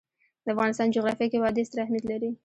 د افغانستان جغرافیه کې وادي ستر اهمیت لري.